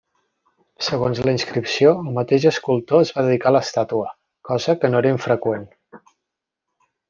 Segons la inscripció el mateix escultor es va dedicar l'estàtua, cosa que no era infreqüent.